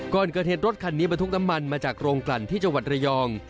ก่อนเกิดเหตุรถคันนี้บรรทุกน้ำมันมาจากโรงกลั่นที่จังหวัดระยอง